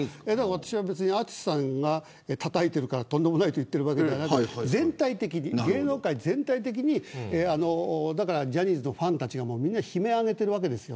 私は淳さんがたたいてるからとんでもないと言ってるわけではなくて全体的に芸能界全体的にジャニーズのファンたちが悲鳴を上げているわけです。